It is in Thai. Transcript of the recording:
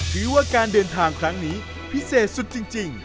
ถือว่าการเดินทางครั้งนี้พิเศษสุดจริง